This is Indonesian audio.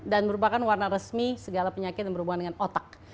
dan merupakan warna resmi segala penyakit yang berhubungan dengan otak